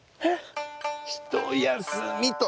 ひとやすみと。